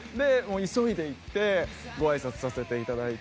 急いで行ってごあいさつさせて頂いて。